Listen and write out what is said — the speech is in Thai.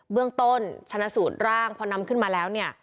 เบื้องต้นชนะสูตรร่างพอนำขึ้นมาแล้วเนี่ย